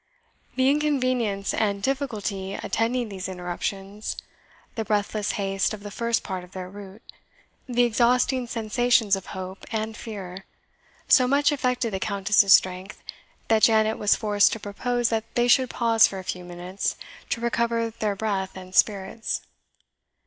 The inconvenience and difficulty attending these interruptions, the breathless haste of the first part of their route, the exhausting sensations of hope and fear, so much affected the Countess's strength, that Janet was forced to propose that they should pause for a few minutes to recover breath and spirits.